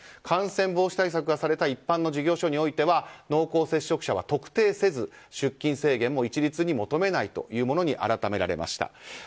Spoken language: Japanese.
感染防止対策がされた一般の事業所においては濃厚接触者は特定せず出勤制限も一律に求めないというものに改められました。